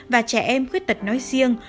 và trẻ em khuyết tật nói riêng